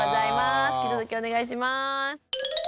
引き続きお願いします。